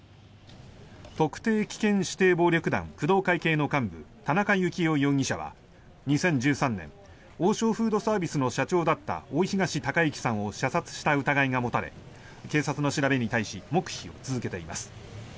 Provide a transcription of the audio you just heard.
特定危険指定暴力団工藤会系の幹部、田中幸雄容疑者は２０１３年王将フードサービスの社長だった大東隆行さんを射殺した疑いが持たれ警察の調べに対し黙秘を続けています。